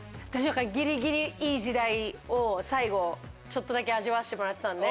ギリギリいい時代を最後ちょっとだけ味わわせてもらってたんで。